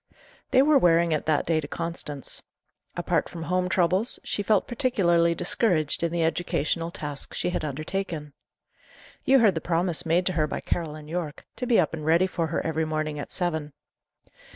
They were wearing it that day to Constance. Apart from home troubles, she felt particularly discouraged in the educational task she had undertaken. You heard the promise made to her by Caroline Yorke, to be up and ready for her every morning at seven.